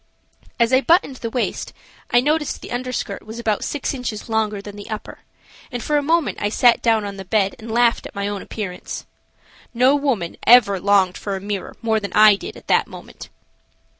As I buttoned the waist I noticed the underskirt was about six inches longer than the upper, and for a moment I sat down on the bed and laughed at my own appearance. No woman ever longed for a mirror more than I did at that moment.